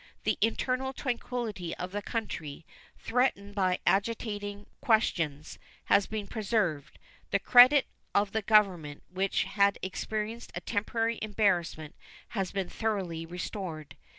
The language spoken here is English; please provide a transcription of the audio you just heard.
The internal tranquillity of the country, threatened by agitating questions, has been preserved. The credit of the Government, which had experienced a temporary embarrassment, has been thoroughly restored.